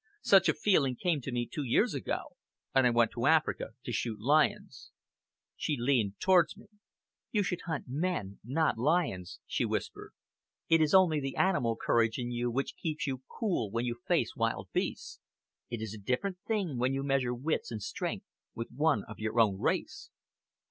Such a feeling came to me two years ago, and I went to Africa to shoot lions." She leaned towards me. "You should hunt men, not lions," she whispered. "It is only the animal courage in you which keeps you cool when you face wild beasts. It is a different thing when you measure wits and strength with one of your own race!"